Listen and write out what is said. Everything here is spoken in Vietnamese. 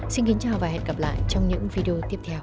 xin kính chào và hẹn gặp lại trong những video tiếp theo